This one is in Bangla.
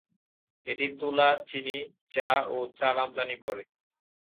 এটি তুলা, চিনি, চা ও চাল আমদানি করে।